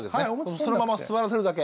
そのまま座らせるだけ。